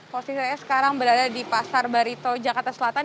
posisi saya sekarang berada di pasar barito jakarta selatan